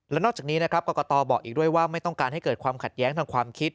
และนอกจากนี้นะครับกรกตบอกอีกด้วยว่าไม่ต้องการให้เกิดความขัดแย้งทางความคิด